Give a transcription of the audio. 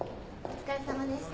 お疲れさまです。